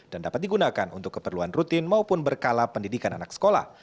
dan dapat digunakan untuk keperluan rutin maupun berkala pendidikan anak sekolah